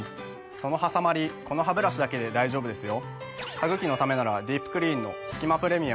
そのはさまりこのハブラシだけで大丈夫ですよ。